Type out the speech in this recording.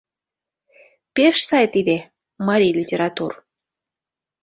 — Пеш сай тиде... марий литератур.